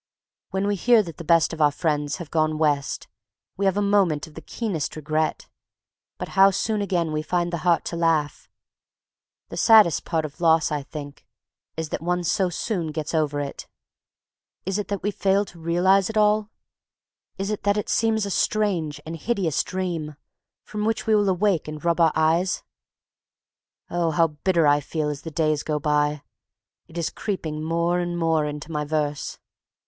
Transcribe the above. When we hear that the best of our friends have gone West, we have a moment of the keenest regret; but how soon again we find the heart to laugh! The saddest part of loss, I think, is that one so soon gets over it. Is it that we fail to realize it all? Is it that it seems a strange and hideous dream, from which we will awake and rub our eyes? Oh, how bitter I feel as the days go by! It is creeping more and more into my verse.